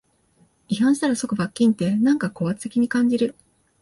違反したら即罰金って、なんか高圧的に感じる